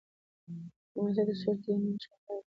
ډيپلوماسي د سولې د ټینګښت لپاره کار کوي.